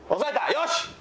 よし！